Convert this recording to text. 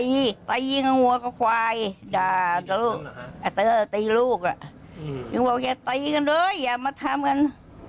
อย่างนึงบอกว่าอย่าตีกันเลยอย่ามาทำกัน